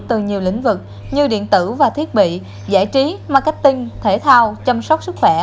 từ nhiều lĩnh vực như điện tử và thiết bị giải trí marketing thể thao chăm sóc sức khỏe